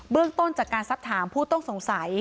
เรื่องต้นจากการสักถามผู้ต้องสงสัย